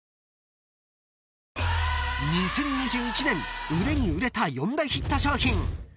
［２０２１年売れに売れた４大ヒット商品］